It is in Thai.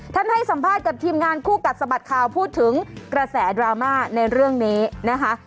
ให้สัมภาษณ์กับทีมงานคู่กัดสะบัดข่าวพูดถึงกระแสดราม่าในเรื่องนี้นะคะ